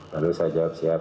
lalu saya jawab siap